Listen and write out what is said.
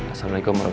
assalamualaikum wr wb